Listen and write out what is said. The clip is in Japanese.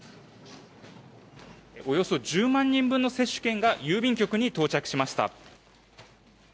およそ１０万人分の接種券が郵便局に到着しました。